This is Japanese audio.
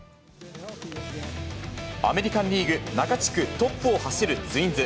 アメリカンリーグ中地区トップを走るツインズ。